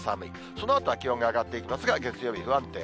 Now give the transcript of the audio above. そのあとは気温が上がっていきますが、月曜日、不安定。